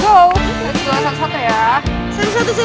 kamu yang duluan ya